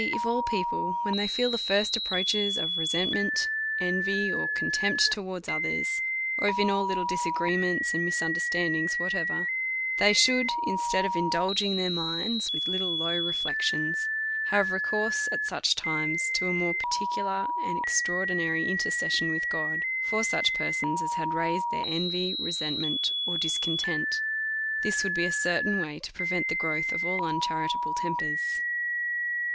If all people, when they feel the first ap proaches of resentment^ envy, or contempt, towards •DEVOUT AND HOLY LIFE. 303 others; or if, in all little disagreements and misunder standings whatever, they should, instead of indulging th^ir minds with little low retlections, have recourse at such times to a more particular and extraordinary intercession with God, for such persons as had raised their envV;, resentment, or discontent, this would be a certain way to prevent the growth of all uncharitable tempers.